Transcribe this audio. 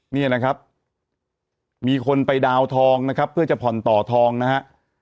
นี่นะครับมีคนไปดาวน์ทองนะครับเพื่อจะผ่อนต่อทองนะฮะ